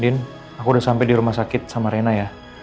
aku udah sampai di rumah sakit sama rena ya